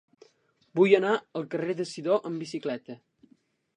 Vull anar al carrer de Sidó amb bicicleta.